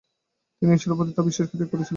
তিনি ঈশ্বরের প্রতি তার বিশ্বাসকে ত্যাগ করেছিলেন।